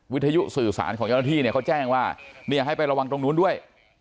วิทยุสื่อสารของเจ้าหน้าที่เนี่ยเขาแจ้งว่าให้ไประวังตรงนู้นด้วย